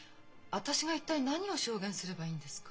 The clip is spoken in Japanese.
私が一体何を証言すればいいんですか？